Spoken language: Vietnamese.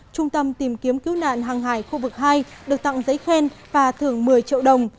trung tâm tìm kiếm cứu nạn hàng hải khu vực hai được tặng giấy khen và thưởng một mươi triệu đồng